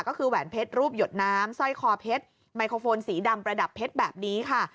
ก็คือแหวนเพชรรูปหยดน้ำสร้อยคอเพชรไมโครโฟนสีดำประดับเพชรแบบนี้ค่ะ